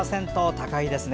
高いですね。